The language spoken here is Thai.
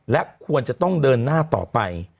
และควรจะต้องเดินหน้าต่อไป